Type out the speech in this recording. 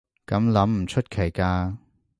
噉諗唔出奇㗎